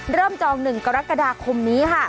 เริ่มจอง๑กรกฎาคมนี้ค่ะ